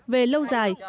về lâu dài